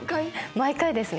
毎回ですね。